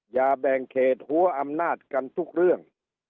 อย่าแบ่งเขตหัวอำนาจกันทุกเรื่อง